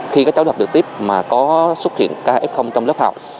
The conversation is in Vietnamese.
khi các cháu đọc được tiếp mà có xuất hiện các cây không trong lớp học